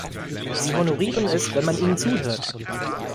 Sie honorieren es, wenn man ihnen zuhört.